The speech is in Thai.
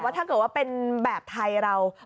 เดี๋ยวว่าถ้าเป็นแบบไทยเรา